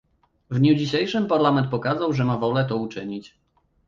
W dniu dzisiejszym Parlament pokazał, że ma wolę to uczynić